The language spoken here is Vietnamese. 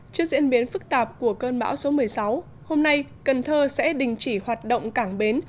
trước diễn biến phức tạp của cơn bão số một mươi sáu hôm nay cần thơ sẽ đình chỉ hoạt động cảng bến